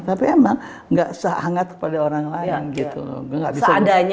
tapi emang ga sangat kepada orang lain